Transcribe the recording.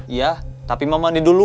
iya tapi mama ini dulu